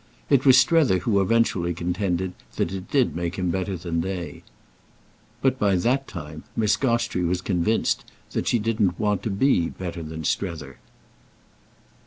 It was Strether who eventually contended that it did make him better than they. But by that time Miss Gostrey was convinced that she didn't want to be better than Strether.